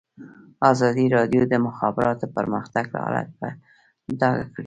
ازادي راډیو د د مخابراتو پرمختګ حالت په ډاګه کړی.